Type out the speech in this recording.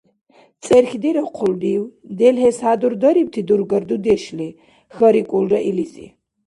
— ЦӀерхьдирахъулрив? Делгьес хӀядурдарибти дургар дудешли? — хьарикӀулра илизи.